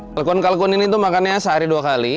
kalkun kalkun ini itu makannya sehari dua kali